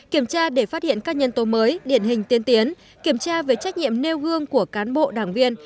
kiểm tra để phát hiện các nhân tố mới điển hình tiên tiến kiểm tra về trách nhiệm nêu gương của cán bộ đảng viên